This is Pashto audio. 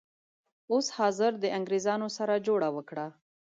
اوس حاضر د انګریزانو سره جوړه وکړه.